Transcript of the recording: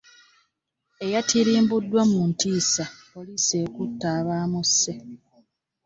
Eyatirimbuddwa mu ntiisa poliisi ekutte abaamuse.